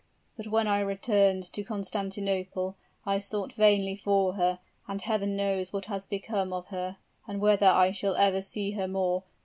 "But when I returned to Constantinople, I sought vainly for her, and Heaven knows what has become of her, and whether I shall ever see her more.